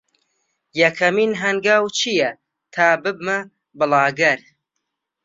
یەکەمین هەنگاو چییە تا ببمە بڵاگەر؟